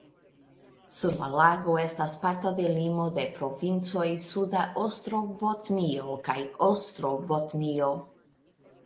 Sur la lago estas parto de limo de provincoj Suda Ostrobotnio kaj Ostrobotnio.